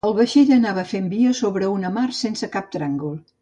El vaixell anava fent via sobre una mar sense cap tràngol